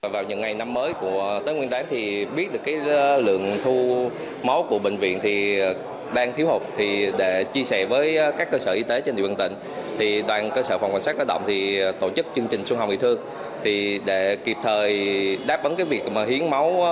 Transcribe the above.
vào những ngày năm mới của tết nguyên đáng thì biết được lượng thu máu của bệnh viện